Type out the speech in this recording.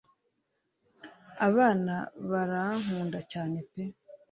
abana barankunda cyane pe